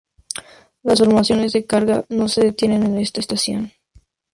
Las formaciones de cargas, no se detienen en esta estación.